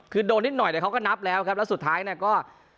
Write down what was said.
คือโดนนิดหน่อยแต่เขาก็นับแล้วครับแล้วสุดท้ายเนี่ยก็